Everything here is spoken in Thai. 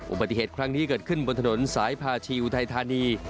อุบัติเหตุครั้งนี้เกิดขึ้นบนถนนสายพาชีอุทัยธานี